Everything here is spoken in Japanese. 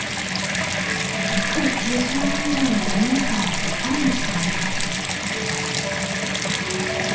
築９０年以上の古民家をリフォームしたお店。